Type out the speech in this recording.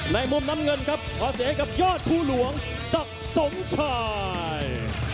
ในมุมน้ำเงินครับขอเสียกับยอดครูหลวงศักดิ์สมชาย